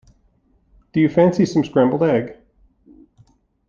Do you fancy some scrambled egg?